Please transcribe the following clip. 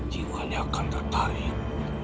jiwanya akan tertarik